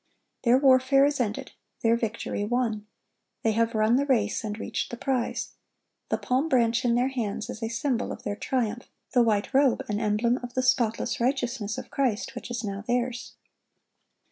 (1158) Their warfare is ended, their victory won. They have run the race and reached the prize. The palm branch in their hands is a symbol of their triumph, the white robe an emblem of the spotless righteousness of Christ which now is theirs.